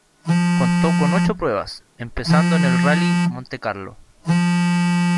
Contó con ocho pruebas, empezando en el Rallye Monte Carlo.